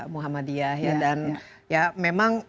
muhammadiyah dan memang